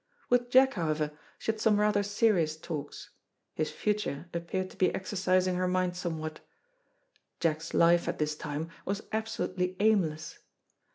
With Jack, however, she had some rather serious talks; his future appeared to be exercising her mind somewhat. Jack's life at this time was absolutely aimless.